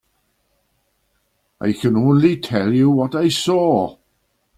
I can only tell you what I saw.